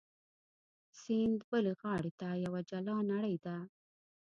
سیند بلې غاړې ته یوه جلا نړۍ ده.